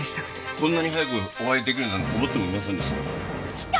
こんなに早くお会い出来るなんて思ってもみませんでした。